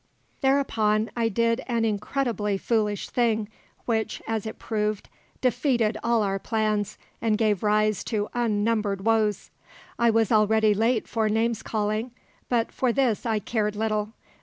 Thereupon I did an incredibly foolish thing, which, as it proved, defeated all our plans and gave rise to unnumbered woes. I was already late for names calling; but for this I cared little.